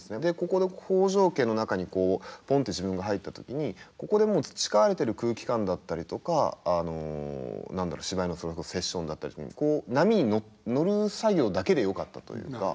ここで北条家の中にぽんって自分が入った時にここでもう培われてる空気感だったりとか何だろう芝居のそれこそセッションだったり波に乗る作業だけでよかったというか。